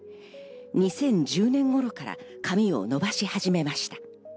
２０１０年頃から髪を伸ばし始めました。